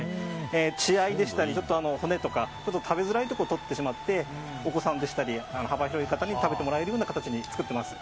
血合いでしたり骨とか食べづらいところをとってしまってお子さんや幅広い方に食べてもらえるような形に作っています。